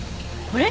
これ？